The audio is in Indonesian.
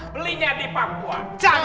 belinya di papua